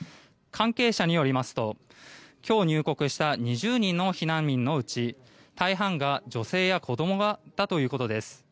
関係者によりますと今日入国した２０人の避難民のうち大半が女性や子どもだということです。